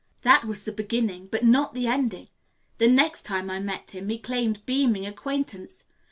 "That was the beginning; but not the ending. The next time I met him, he claimed beaming acquaintance.